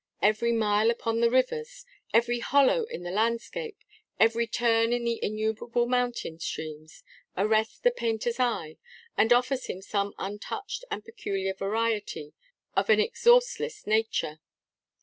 Every mile upon the rivers, every hollow in the landscape, every turn in the innumerable mountain streams, arrests the painter's eye, and offers him some untouched and peculiar variety of an exhaustless nature.